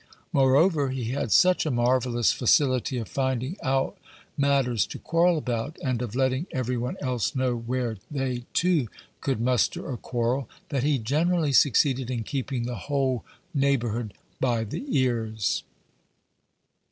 Moreover, he had such a marvellous facility of finding out matters to quarrel about, and of letting every one else know where they, too, could muster a quarrel, that he generally succeeded in keeping the whole neighborhood by the ears.